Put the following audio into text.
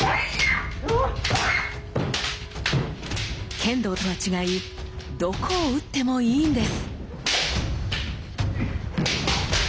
剣道とは違いどこを打ってもいいんです。